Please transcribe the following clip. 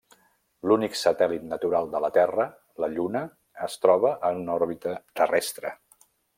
L'únic satèl·lit natural de la Terra, la Lluna, es troba en una òrbita terrestre.